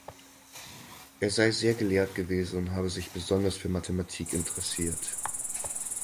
Er sei sehr gelehrt gewesen und habe sich besonders für Mathematik interessiert.